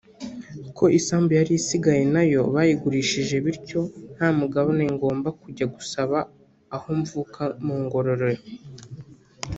ko isambu yari isigaye nayo bayigurishije bityo ko nta mugabane ngomba kujya gusaba aho mvuka mu Ngororero